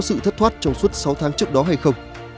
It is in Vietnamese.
sự thất thoát trong suốt sáu tháng trước đó hay không